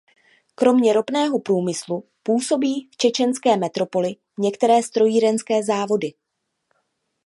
Kromě ropného průmyslu působí v čečenské metropoli některé strojírenské závody.